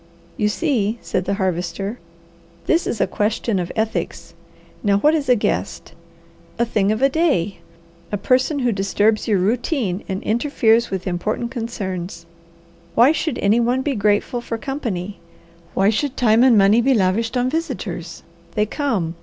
"You see," said the Harvester, "this is a question of ethics. Now what is a guest? A thing of a day! A person who disturbs your routine and interferes with important concerns. Why should any one be grateful for company? Why should time and money be lavished on visitors? They come.